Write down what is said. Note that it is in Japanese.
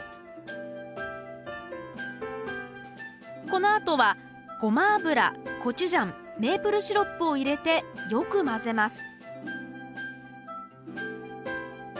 このあとはゴマ油コチュジャンメープルシロップを入れてよく混ぜます